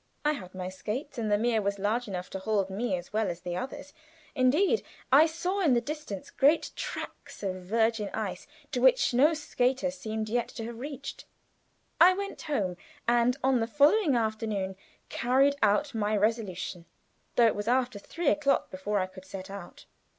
I had my skates, and the mere was large enough to hold me as well as the others indeed, I saw in the distance great tracts of virgin ice to which no skater seemed yet to have reached. I went home, and on the following afternoon carried out my resolution; though it was after three o'clock before I could set out.